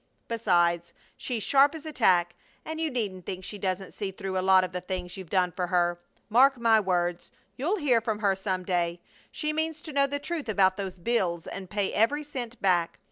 Besides, she's sharp as a tack, and you needn't think she doesn't see through a lot of the things you've done for her! Mark my words, you'll hear from her some day! She means to know the truth about those bills and pay every cent back!